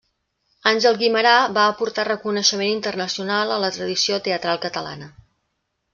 Àngel Guimerà va aportar reconeixement internacional a la tradició teatral catalana.